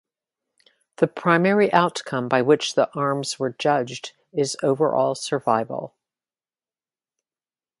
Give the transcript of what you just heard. The primary outcome by which the arms were judged is overall survival.